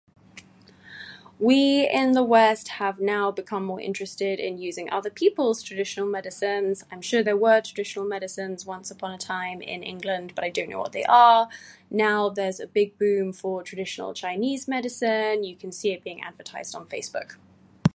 We in the west have now become more interested in using other people's traditional medicines. I'm sure there were traditional medicines once upon a time in England but I don't know what they. Now there is a big boom for traditional Chinese medicine, you can see it being advertised on Facebook.